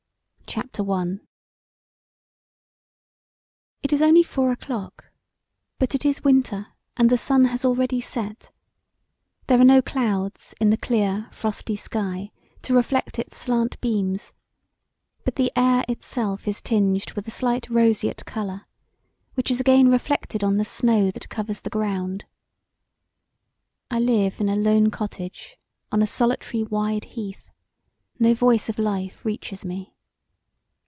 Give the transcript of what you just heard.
Nov. 9th 1819 It is only four o'clock; but it is winter and the sun has already set: there are no clouds in the clear, frosty sky to reflect its slant beams, but the air itself is tinged with a slight roseate colour which is again reflected on the snow that covers the ground. I live in a lone cottage on a solitary, wide heath: no voice of life reaches me.